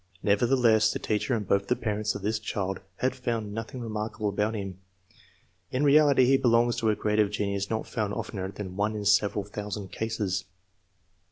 Nevertheless, the teacher and both the parents of this child had found nothing remarkable about him. In reality he belongs to a grade of genius not found oftener than once in several thousand cases.